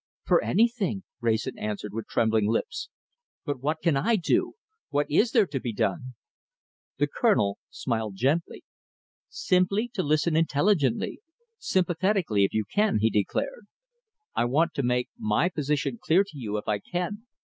"For anything," Wrayson answered, with trembling lips. "But what can I do? What is there to be done?" The Colonel smiled gently. "Simply to listen intelligently sympathetically if you can," he declared. "I want to make my position clear to you if I can.